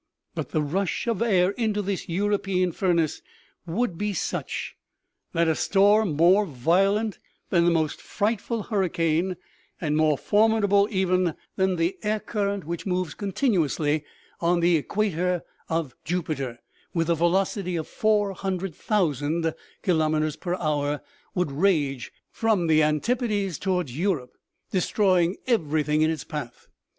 But the rush of air into this European furnace would be such that a storm more violent than the most frightful hurricane and more formidable even than the air 5 66 OMEGA. current which moves continuously on the equator of Jupi ter, with a velocity of 400,000 kilometers per hour, would rage from the Antipodes towards Europe, destroying everything in its path.